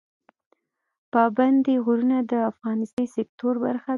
پابندی غرونه د افغانستان د انرژۍ سکتور برخه ده.